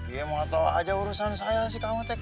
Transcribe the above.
ya mau tau aja urusan saya sih kawetnya